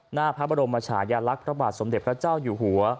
หน้าพระบรมชายลักษณ์พระบาทสมเด็จพระเจ้าอยู่หัว